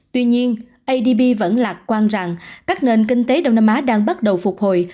tuy nhiên adb vẫn lạc quan rằng các nền kinh tế đông nam á đang bắt đầu phục hồi